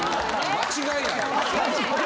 間違いない。